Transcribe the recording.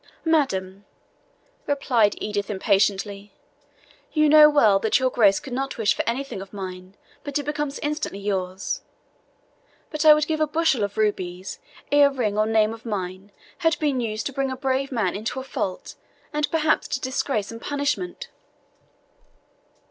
"Madam," replied Edith impatiently, "you know well that your Grace could not wish for anything of mine but it becomes instantly yours. But I would give a bushel of rubies ere ring or name of mine had been used to bring a brave man into a fault, and perhaps to disgrace and punishment."